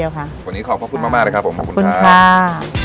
วันนี้ขอบคุณมากเลยครับขอบคุณค่า